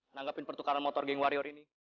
nanggapin pertukaran motor geng warior ini